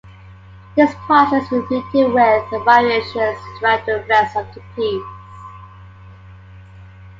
This process is repeated with variations throughout the rest of the piece.